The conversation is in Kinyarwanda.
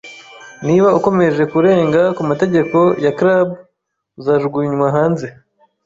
Niba ukomeje kurenga ku mategeko ya club, uzajugunywa hanze.